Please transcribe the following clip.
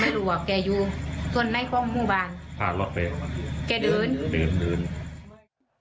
เมื่อคืนนี้ก็ต้องยุติการค้นหาชั่วคราวไปก่อนนะครับ